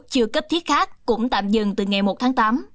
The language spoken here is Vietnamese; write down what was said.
chưa cấp thiết khác cũng tạm dừng từ ngày một tháng tám